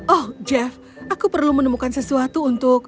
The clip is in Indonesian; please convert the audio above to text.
oh jeff aku perlu menemukan sesuatu untuk